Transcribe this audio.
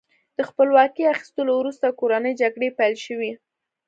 د خپلواکۍ اخیستلو وروسته کورنۍ جګړې پیل شوې.